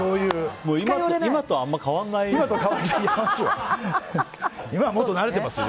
今とあんまり変わんないね。